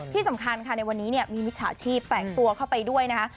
ที่สำคัญค่ะในวันนี้มีมิจฉาชีพแฝงตัวเข้าไปด้วยนะคะ